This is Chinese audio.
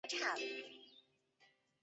在招待中可用一张鸟的列表。